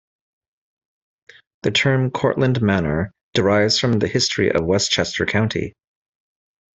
The term "Cortlandt Manor" derives from the history of Westchester County.